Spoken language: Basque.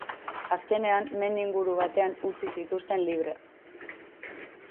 Azkenean, mendi inguru batean utzi zituzten libre.